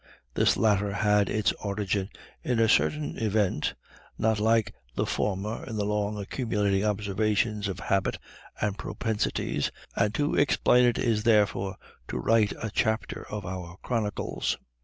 This latter had its origin in a certain event, not like the former in the long accumulating observation of habits and propensities, and to explain it therefore is to write a chapter of our chronicles.